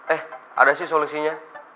eh ada sih solusinya